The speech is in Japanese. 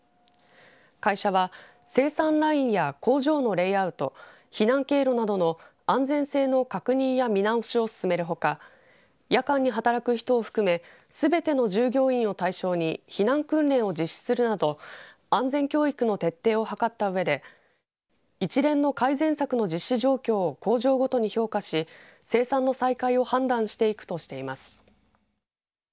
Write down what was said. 会社は生産ラインや工場のレイアウト避難経路などの安全性の確認や見直しを進めるほか夜間に働く人を含めすべての従業員を対象に避難訓練を実施するなど安全教育の徹底を図ったうえで一連の改善策の実施状況を工場ごとに評価し生産の再開を判断していくとしています。